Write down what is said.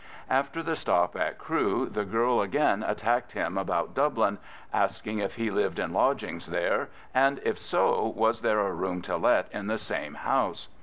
After the stop at Crewe the girl again attacked him about Dublin, asking if he lived in lodgings there, and, if so, was there a room to let in the same house.